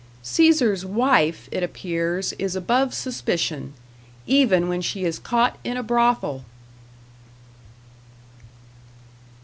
Caesar's wife, it appears is above suspicion even when she is caught in a brothel!